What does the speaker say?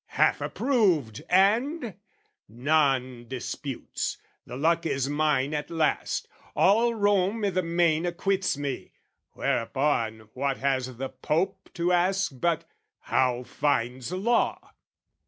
Half approved: And, none disputes, the luck is mine at last, All Rome, i' the main, acquits me: whereupon What has the Pope to ask but "How finds Law?"